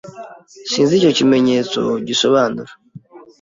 Sinzi icyo iki kimenyetso gisobanura.